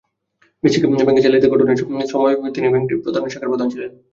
Basic ব্যাংকে জালিয়াতির ঘটনার সময় তিনি ব্যাংকটির প্রধান শাখার প্রধান ছিলেন।